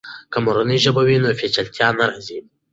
که مورنۍ ژبه وي، نو پیچلتیا نه راځي.